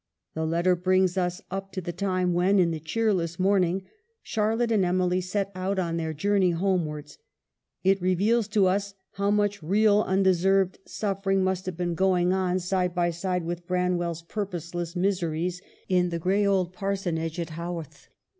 The letter brings us up to the time when — in the cheerless morn ing — Charlotte and Emily set out on their jour ney homewards ; it reveals to us how much real undeserved suffering must have been going on 134 EMILY BRONTE. side by side with Branwell's purposeless miser ies in the gray old parsonage at Haworth.